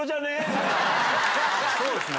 そうですね